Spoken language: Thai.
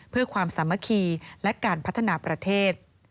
เพื่อความสามารถสามารถขีดและการพัฒนาประเทศ